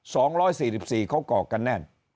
สองร้อยสี่สิบสี่เขากรอกกันแน่น